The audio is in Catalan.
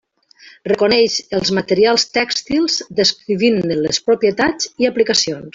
Reconeix els materials tèxtils, descrivint-ne les propietats i aplicacions.